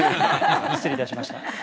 失礼いたしました。